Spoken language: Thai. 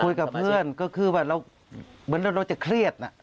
คุยกับเพื่อนก็คือว่าเราเหมือนเราจะเครียด